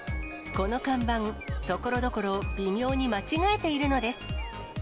この看板、ところどころ微妙に間違えているのです。